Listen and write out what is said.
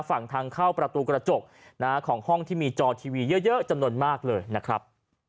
ฝั่งทางเข้าประตูกระจกของห้องที่มีจอทีวีเยอะจำนวนมากเลยนะครับ